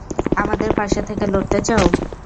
আমাদের পাশে থেকে লড়তে চাও?